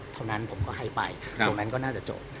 เท่านั้นผมก็ให้ไปตรงนั้นก็น่าจะจบ